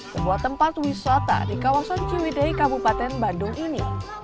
sebuah tempat wisata di kawasan ciwidei kabupaten bandung ini